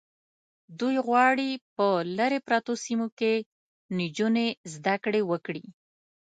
دوی غواړي په لرې پرتو سیمو کې نجونې زده کړې وکړي.